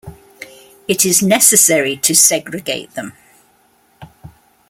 It is necessary to segregate them.